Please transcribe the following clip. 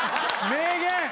名言！